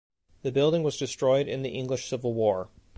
The building was destroyed in the English Civil War.